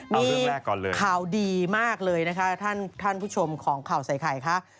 นี่ข่าวดีมากเลยนะคะท่านผู้ชมของข่าวใส่ไข่ค่ะ